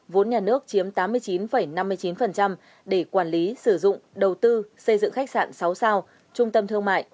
vốn nhà nước chiếm tám mươi chín năm mươi chín để quản lý sử dụng đầu tư xây dựng khách sạn sáu sao trung tâm thương mại